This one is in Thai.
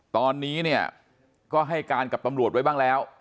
ตอนนี้เนี่ยก็ให้การกับตำรวจไว้บ้างแล้ว